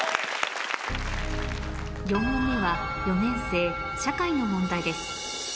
４問目は４年生社会の問題です